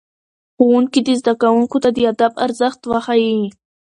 ښوونکي دي زدهکوونکو ته د ادب ارزښت وښيي.